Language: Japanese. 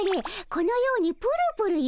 このようにプルプルゆれる。